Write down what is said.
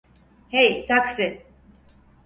Hey, taksi!